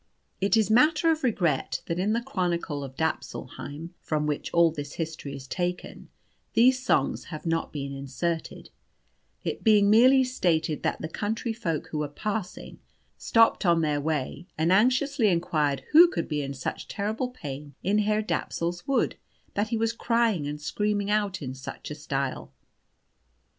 It is matter of regret that in the Chronicle of Dapsulheim (from which all this history is taken), these songs have not been inserted, it being merely stated that the country folk who were passing, stopped on their way, and anxiously inquired who could be in such terrible pain in Herr Dapsul's wood, that he was crying and screaming out in such a style.